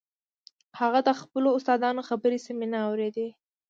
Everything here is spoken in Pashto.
هغه د خپلو استادانو خبرې سمې نه اورېدې.